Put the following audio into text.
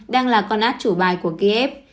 đang là con át chủ bài của kiev